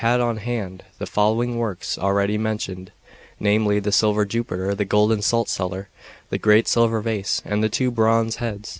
I had on hand the following works already mentioned, namely, the silver Jupiter, the golden salt cellar, the great silver vase, and the two bronze heads.